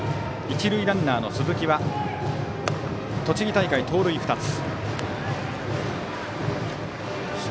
一塁ランナーの鈴木は栃木大会、盗塁２つ。